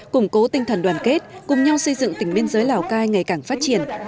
củng cố tinh thần đoàn kết cùng nhau xây dựng tỉnh biên giới lào cai ngày càng phát triển